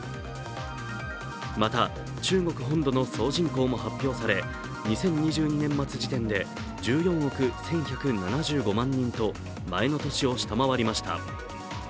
また中国本土の総人口も発表され２０２２年末時点で１４億１１７５万人と前の年を下回りました。